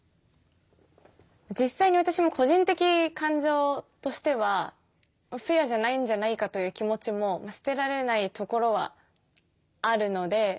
実際に私も個人的感情としてはフェアじゃないんじゃないかという気持ちもまあ捨てられないところはあるので。